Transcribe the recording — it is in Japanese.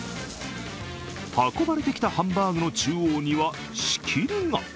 運ばれてきたハンバーグの中央には仕切りが。